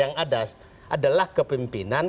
yang ada adalah kepimpinan